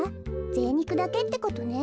ぜいにくだけってことね。